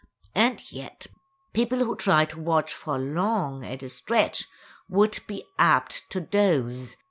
And yet people who tried to watch for long at a stretch would be apt to doze.